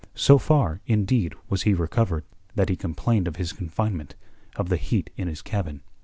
So far, indeed, was he recovered that he complained of his confinement, of the heat in his cabin.